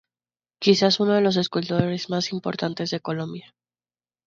Quizás uno de los escultores más importantes de Colombia.